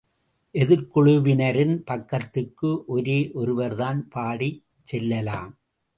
எதிர்க்குழுவினரின் பக்கத்துக்கு ஒரே ஒருவர்தான் பாடிச் செல்லலாம்.